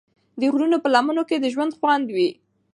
د غرونو په لمنو کې د ژوند خوند وي.